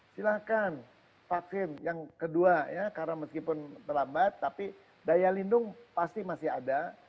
silahkan vaksin yang kedua ya karena meskipun terlambat tapi daya lindung pasti masih ada